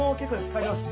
帰ります。